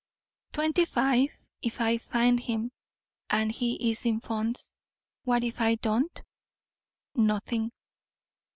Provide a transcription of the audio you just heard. "Twenty five if I find him, and he is in funds. What if I don't?" "Nothing."